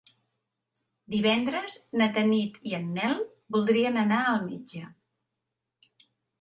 Divendres na Tanit i en Nel voldria anar al metge.